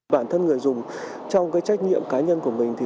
bản thân người dùng trong trách nhiệm cá nhân của mình